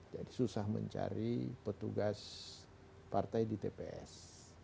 jadi susah mencari petugas partai di tps